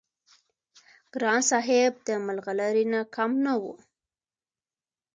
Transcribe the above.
ګران صاحب د ملغلرې نه کم نه وو-